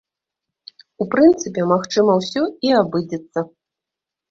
У прынцыпе, магчыма, усё і абыдзецца.